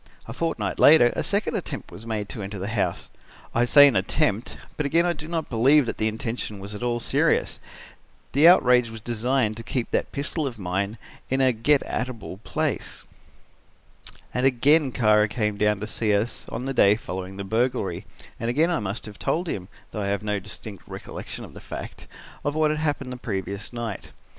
A fortnight later a second attempt was made to enter the house. I say an attempt, but again I do not believe that the intention was at all serious. The outrage was designed to keep that pistol of mine in a get at able place. "And again Kara came down to see us on the day following the burglary, and again I must have told him, though I have no distinct recollection of the fact, of what had happened the previous night.